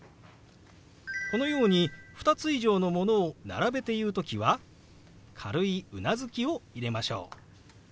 このように２つ以上のものを並べて言う時は軽いうなずきを入れましょう。